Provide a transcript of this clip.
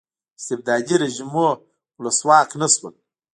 استبدادي رژیمونو ولسواک نه شول.